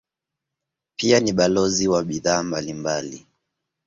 Pia ni balozi wa bidhaa mbalimbali.